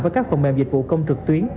với các phòng mềm dịch vụ công trực tuyến